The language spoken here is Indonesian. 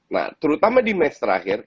nah terutama di match terakhir